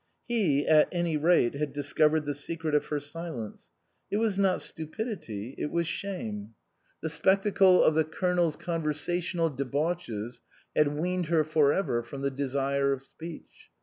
He, at any rate, had discovered the secret of her silence ; it was not stupidity, it was shame. 22 INLAND The spectacle of the Colonel's conversational debauches had weaned her for ever from the desire of speech.